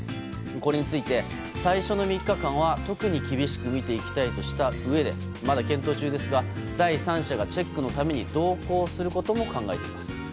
これについて、最初の３日間は特に厳しく見ていきたいとしたうえでまだ検討中ですが第三者がチェックするために同行することも考えています。